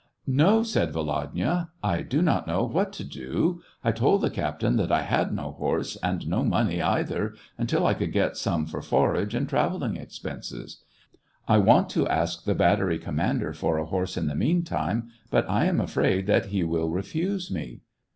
''"" No," said Volodya ;" I do not know what to do. I told the captain that I had no horse, and no money, either, until I get some for forage and travelling expenses. I want to ask the battery commander for a horse in the meantime, but I am afraid that he will refuse me."